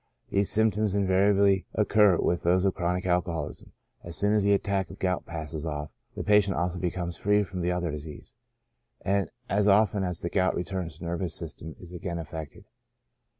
These symptoms invariably occur with those of chronic alcoholism. As soon as the attack of gout passes off, the patient also becomes free from the other disease, and as often as the gout returns the nervous system is again affected.